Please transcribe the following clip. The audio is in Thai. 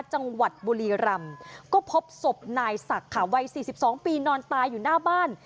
จังหวัดบุรีรำก็พบศพนายศักดิ์ค่ะวัย๔๒ปีนอนตายอยู่หน้าบ้าน